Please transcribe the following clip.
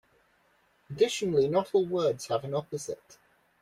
Additionally, not all words have an opposite.